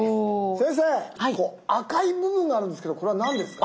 先生赤い部分があるんですけどこれは何ですか？